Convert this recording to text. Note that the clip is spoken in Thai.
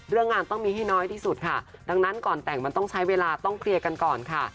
เรื่องงานต้องมีให้น้อยที่สุดค่ะดังนั้นก่อนแต่งมันต้องใช้เวลาต้องเคลียร์กันก่อนค่ะ